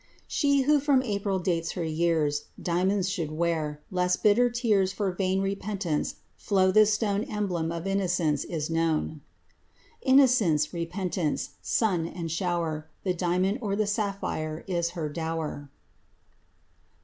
She who from April dates her years Diamonds should wear, lest bitter tears For vain repentance flow This stone Emblem of innocence is known. Innocence, repentance—sun and shower— The diamond or the sapphire is her dower.